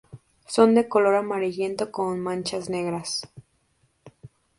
Son de color amarillento con manchas negras.